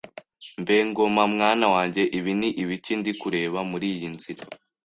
mbe Ngoma mwana wanjye ibi ni ibiki ndikureba muriyi nzira